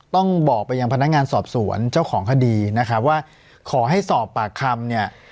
ต้องบอกไปยังพนักงานสอบสวนเจ้าของคดีนะครับว่าขอให้สอบปากคำเนี่ย